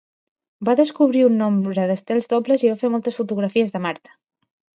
Va descobrir un nombre d'estels dobles i va fer moltes fotografies de Mart.